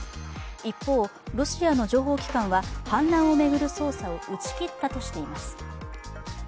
一方、ロシアの情報機関は反乱を巡る捜査を打ち切ったとしています。